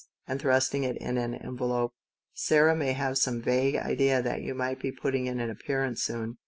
and thrusting it in an envelope, "Sarah may have some vague idea that you might be putting in an appearance soon."